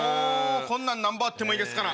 こんなんなんぼあってもいいですから。